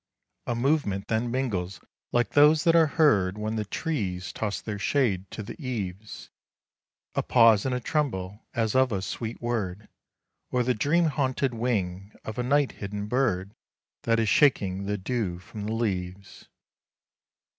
A movement then mingles like those that are heard When the trees toss their shade to the eaves; A pause and a tremble, as of a sweet word, Or the dream haunted wing of a night hidden bird That is shaking the dew from the leaves.